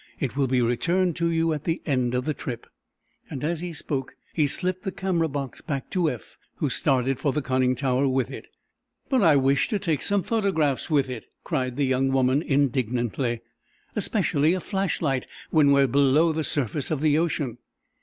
It will be returned to you at the end of the trip." As he spoke, he slipped the camera box back to Eph, who started for the conning tower with it. "But I wish to take some photographs with it," cried the young woman, indignantly. "Especially, a flashlight when we are below the surface of the ocean."